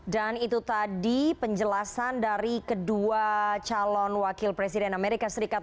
dan itu tadi penjelasan dari kedua calon wakil presiden amerika serikat